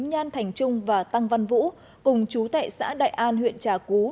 nhan thành trung và tăng văn vũ cùng chú tệ xã đại an huyện trà cú